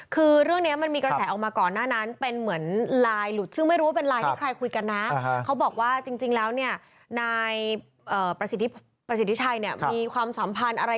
คือเรื่องนี้มันมีกระแสออกมาก่อนหน้านั้น